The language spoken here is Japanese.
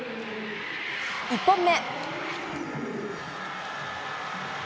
１本目。